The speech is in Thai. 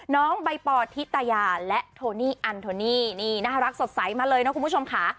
น้องใบปอทิตยาและโทนี่อันโทนี่นี่น่ารักสดใสมาเลยนะคุณผู้ชมค่ะ